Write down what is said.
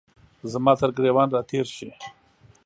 زما ترګریوان را تیر شي